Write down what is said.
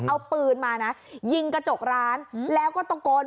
เอาปืนมานะยิงกระจกร้านแล้วก็ตะโกน